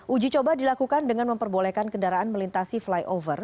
uji coba dilakukan dengan memperbolehkan kendaraan melintasi flyover